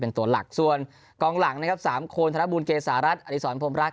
เป็นตัวหลักส่วนกองหลังนะครับ๓คนธนบูลเกษารัฐอดีศรพรมรักษ